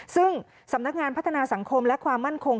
ซึ่งสำนักงานพัฒนาสังคมและความมั่นคง